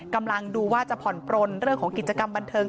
กำลังดูว่าจะผ่อนปลนเรื่องของกิจกรรมบันเทิง